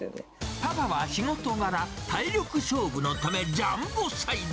パパは仕事柄、体力勝負のため、ジャンボサイズ。